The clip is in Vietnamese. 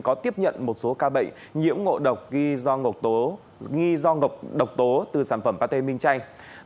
có tiếp nhận một số ca bệnh nhiễm ngộ độc nghi do ngọc độc tố từ sản phẩm pate min chay